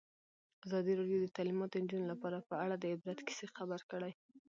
ازادي راډیو د تعلیمات د نجونو لپاره په اړه د عبرت کیسې خبر کړي.